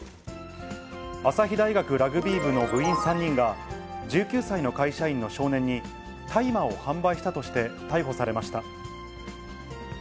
朝日大学ラグビー部の部員３人が、１９歳の会社員の少年に大麻を販売したとして逮捕されました。